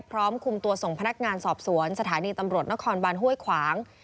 พร้อมคุมตัวส่งพนักงานสอบสวนสถานีตำรวจนครบานห้วยขวาง